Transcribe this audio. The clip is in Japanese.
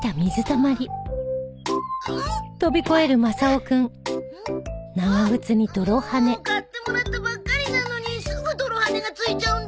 もう買ってもらったばっかりなのにすぐ泥はねがついちゃうんだから。